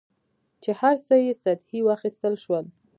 چې هر څه یې سطحي واخیستل شول.